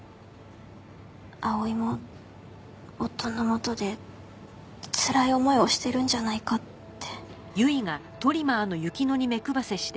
碧唯も夫のもとでつらい思いをしてるんじゃないかって。